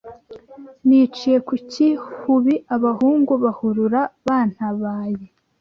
Niciye ku cy'ihubi, abahungu bahurura bantabaye